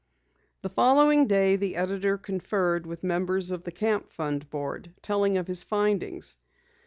The following day, the editor conferred with members of the Camp Fund board, telling of his findings.